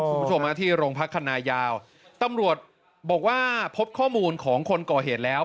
คุณผู้ชมมาที่โรงพักคณะยาวตำรวจบอกว่าพบข้อมูลของคนก่อเหตุแล้ว